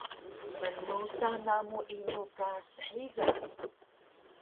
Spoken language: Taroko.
Mnusa namu inu ka shiga?